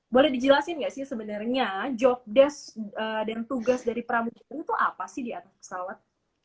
boleh dijelasin nggak sih sebenarnya jobdesk dan tugas dari pramuka itu apa sih di atas pesawat